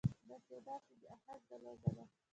بس يو داسې بې اهنګه لوبه ده.